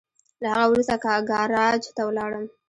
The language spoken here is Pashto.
له هغه وروسته ګاراج ته ولاړم.